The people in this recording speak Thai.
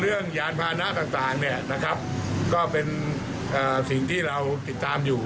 เรื่องยานพาณะต่างก็เป็นสิ่งที่เราติดตามอยู่